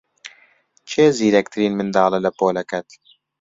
کێ زیرەکترین منداڵە لە پۆلەکەت؟